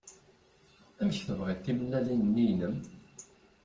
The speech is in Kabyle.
Amek tebɣiḍ timellalin-nni-inem?